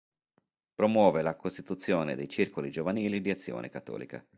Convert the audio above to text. Promuove la costituzione dei circoli giovanili di Azione Cattolica.